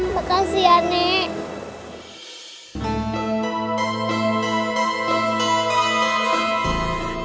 makasih ya nek